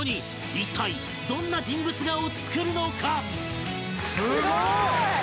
一体どんな人物画を作るのか？